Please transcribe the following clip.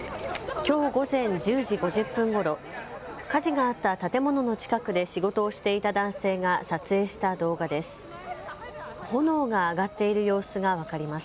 きょう午前１０時５０分ごろ、火事があった建物の近くで仕事をしていた男性が撮影した動画です。